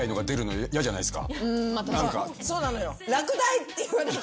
そうなのよ。